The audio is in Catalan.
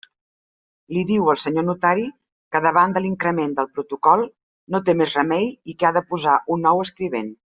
Li diu el senyor notari que davant de l'increment del protocol no té més remei i que ha de posar un nou escrivent.